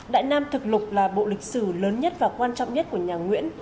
đại nam thực lục là bộ lịch sử lớn nhất và quan trọng nhất của nhà nguyễn